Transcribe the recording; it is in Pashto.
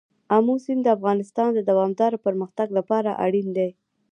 آمو سیند د افغانستان د دوامداره پرمختګ لپاره اړین دی.